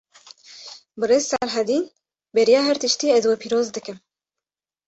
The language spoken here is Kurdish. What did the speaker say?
Birêz Silhedîn, beriya her tiştî ez we pîroz dikim